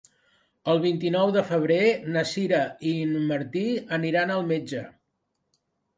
El vint-i-nou de febrer na Sira i en Martí aniran al metge.